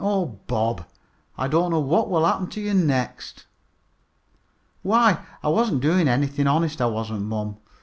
Oh, Bob, I don't know what will happen to you next!" "Why, I wasn't doing anything, honest I wasn't, mom.